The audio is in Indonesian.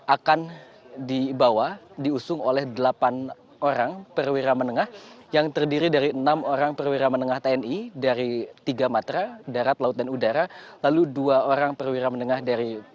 akan dibawa diusung oleh delapan orang perwira menengah yang terdiri dari enam orang perwira menengah tni dari tiga matra darat laut dan udara lalu dua orang perwira menengah dari